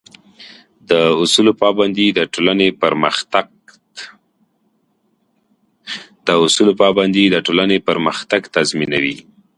د اصولو پابندي د ټولنې پرمختګ تضمینوي.